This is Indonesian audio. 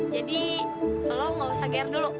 jadi lo nggak usah geer dulu